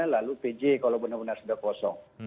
lalu pj kalau benar benar sudah kosong